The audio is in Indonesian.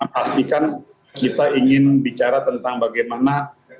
pastikan kita ingin bicara tentang bagaimana